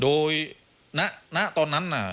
โดยณตอนนั้นน่ะ